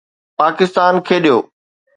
پاڪستان کيڏيو